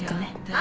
「あ」！